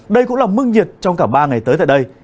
đây cũng là mức nhiệt trong cả ba ngày tới